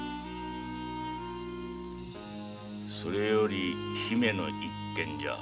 それより姫の一件じゃ。